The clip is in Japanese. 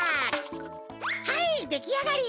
はいできあがり。